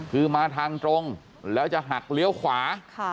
คือมาทางตรงแล้วจะหักเลี้ยวขวา